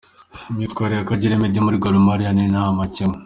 Imyitwarire ya Kagere Meddie muri Gor Mahia ni nta makemwa.